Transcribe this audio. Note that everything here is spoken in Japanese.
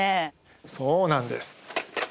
そうなんです。